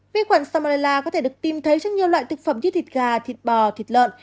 vi khuẩn salmerla có thể được tìm thấy trong nhiều loại thực phẩm như thịt gà thịt bò thịt lợn